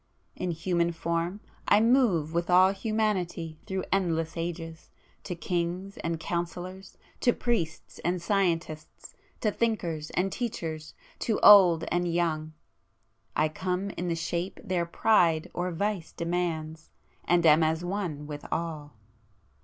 In human form I move with all humanity through endless ages,—to kings and counsellors, to priests and scientists, to thinkers and teachers, to old and young, I come in the shape their pride or vice demands, and am as one with all.